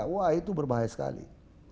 wah itu berbahaya sekali